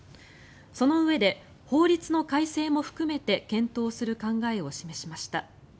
そのうえで法律の改正も含めて検討する考えを示しました。